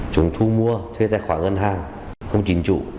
chúng thu mua thuê tài khoản ngân hàng không chính trụ